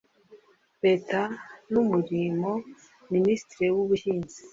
Leta n Umurimo Ministiri w Ubuhinzi